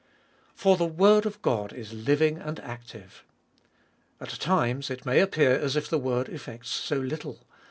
For the word of God is living and active. At times it may appear as if the word effects so little.